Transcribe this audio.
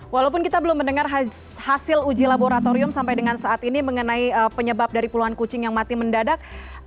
walaupun kita belum mendengar hasil uji laboratorium sampai dengan saat ini mengenai penyebab dari puluhan kucing yang mati mendadak